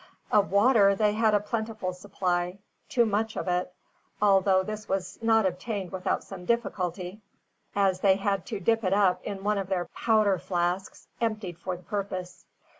Of water they had a plentiful supply, too much of it, although this was not obtained without some difficulty, as they had to dip it up in one of their powder flasks, emptied for the purpose.